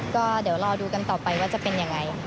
ก็เดี๋ยวรอดูกันต่อไปว่าจะเป็นยังไง